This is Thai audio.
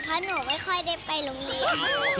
เพราะหนูไม่ค่อยได้ไปโรงเรียน